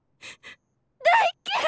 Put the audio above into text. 大っ嫌い！